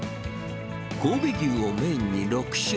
神戸牛をメインに６種類。